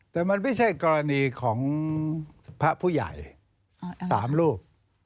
แต่มันไม่ใช่กรณีของพระผู้ใหญ่๓รูป